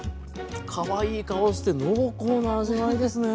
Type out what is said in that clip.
かわいい顔して濃厚な味わいですね。